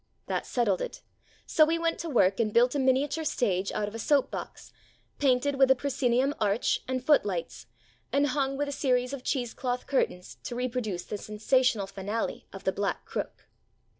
That settled it, so we went to work and built a miniature stage out of a soap box, painted with a proscenium arch and foot lights, and hung with a series of cheese cloth curtains to reproduce the sensational finale of "The Black Crook."